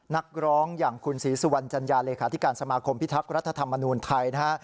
นักร้องอย่างคุณศรีสุวรรณจัญญาเลขาธิการสมาคมพิทักษ์รัฐธรรมนูญไทยนะฮะ